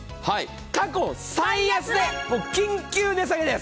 過去最安値、緊急値下げです。